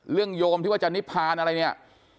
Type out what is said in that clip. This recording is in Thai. เรื่องโยมที่ว่าจันนิพพานอะไรเนี่ย